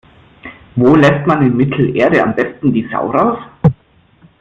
Wo lässt man in Mittelerde am besten die Sau raus?